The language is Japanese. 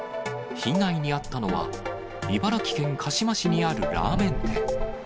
被害に遭ったのは、茨城県鹿嶋市にあるラーメン店。